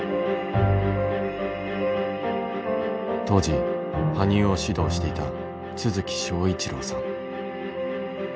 当時羽生を指導していた都築章一郎さん。